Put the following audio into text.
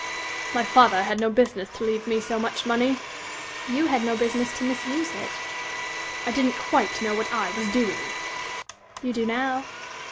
"My father had no business to leave me so much money." "You had no business to misuse it." "I didn't quite know what I was doing." "You do now."